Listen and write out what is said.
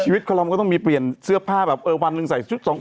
ชีวิตความรอบก็ต้องมีเปลี่ยนเสื้อผ้าแบบเออวันหนึ่งใส่ชุดสอง